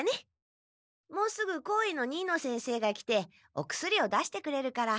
もうすぐ校医の新野先生が来てお薬を出してくれるから。